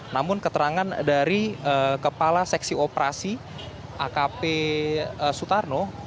namun keterangan dari kepala seksi operasi akp sutarno